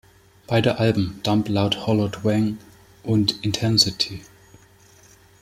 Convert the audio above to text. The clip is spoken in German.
Beide Alben, "Dumb Loud Hollow Twang" und "Intensity!